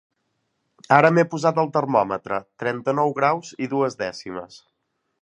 Ara m'he posat el termòmetre: trenta-nou graus i dues dècimes.